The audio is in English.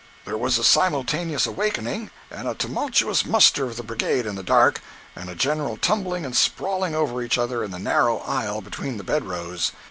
There was a simultaneous awakening, and a tumultuous muster of the brigade in the dark, and a general tumbling and sprawling over each other in the narrow aisle between the bedrows.